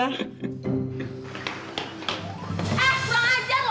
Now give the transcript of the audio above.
eh pulang aja lo ya